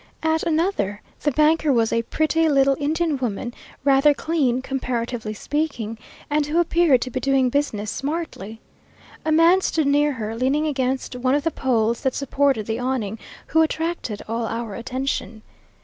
At another, the banker was a pretty little Indian woman, rather clean, comparatively speaking, and who appeared to be doing business smartly. A man stood near her, leaning against one of the poles that supported the awning, who attracted all our attention.